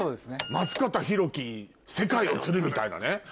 『松方弘樹・世界を釣る‼』みたいなね